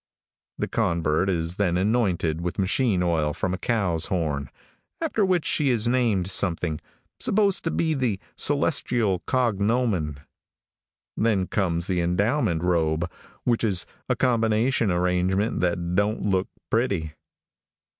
The convert is then anointed with machine oil from a cow's horn, after which she is named something, supposed to be the celestial cognomen. Then comes the endowment robe, which is a combination arrangement that don't look pretty.